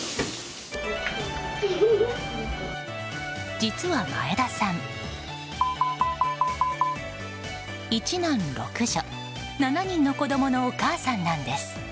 実は前田さん、一男六女７人の子供のお母さんなんです。